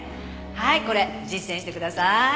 はいこれ実践してください」